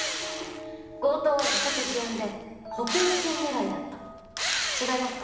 強盗は自作自演で保険金狙いだった違いますか？